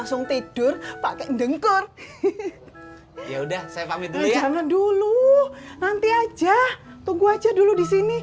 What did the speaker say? jangan dulu nanti aja tunggu aja dulu di sini